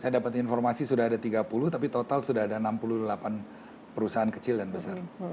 saya dapat informasi sudah ada tiga puluh tapi total sudah ada enam puluh delapan perusahaan kecil dan besar